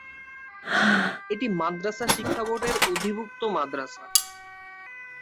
এটি মাদ্রাসা শিক্ষা বোর্ডের অধিভুক্ত মাদ্রাসা।